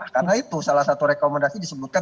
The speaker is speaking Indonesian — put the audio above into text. karena itu salah satu rekomendasi disebutkan